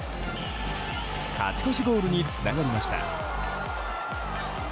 勝ち越しゴールにつながりました。